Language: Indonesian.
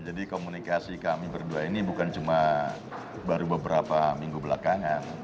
jadi komunikasi kami berdua ini bukan cuma baru beberapa minggu belakangan